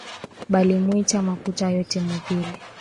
Balimwiba makuta yote mu ville